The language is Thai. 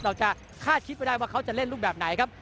เราจะคาดคิดไปได้ว่าเขาจะเล่นรูปแบบไหนครับ